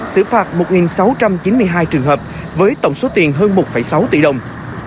xử phạt một sáu trăm chín mươi hai trường hợp với tổng số tiền hơn một sáu tỷ đồng